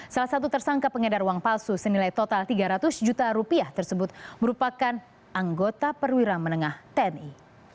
salah satu tersangka pengedar uang palsu senilai total tiga ratus juta rupiah tersebut merupakan anggota perwira menengah tni